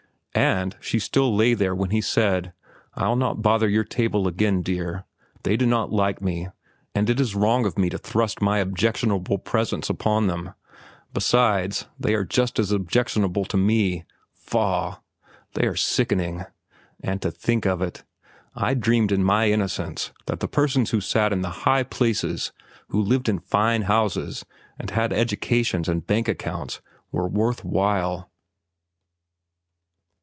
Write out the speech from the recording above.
And she still lay there when he said: "I'll not bother your table again, dear. They do not like me, and it is wrong of me to thrust my objectionable presence upon them. Besides, they are just as objectionable to me. Faugh! They are sickening. And to think of it, I dreamed in my innocence that the persons who sat in the high places, who lived in fine houses and had educations and bank accounts, were worth while!"